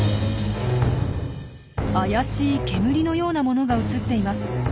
怪しい煙のようなものが写っています。